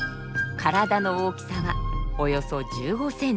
体の大きさはおよそ１５ｃｍ。